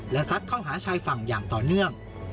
และซัดเข้าหาชายฝั่งอย่างต่อเนื่อง